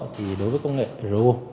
thì đối với công nghệ ro